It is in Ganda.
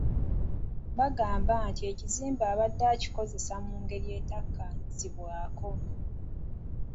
Bagamba nti ekizimbe yabadde akikozeseza mu ngeri etakkaanyizibwako.